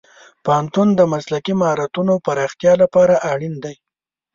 پوهنتون د مسلکي مهارتونو پراختیا لپاره اړین دی.